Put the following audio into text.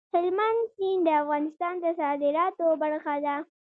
هلمند سیند د افغانستان د صادراتو برخه ده.